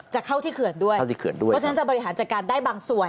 จะเข้าที่เขื่อนด้วยเพราะฉะนั้นจะบริหารจัดการได้บางส่วน